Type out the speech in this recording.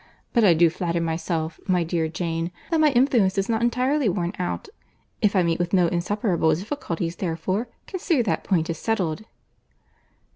But I do flatter myself, my dear Jane, that my influence is not entirely worn out. If I meet with no insuperable difficulties therefore, consider that point as settled."